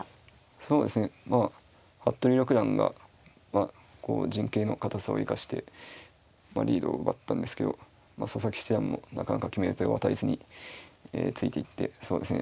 そうですねまあ服部六段がこう陣形の堅さを生かしてリードを奪ったんですけど佐々木七段もなかなか決め手を与えずについていってそうですね